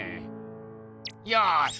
よし！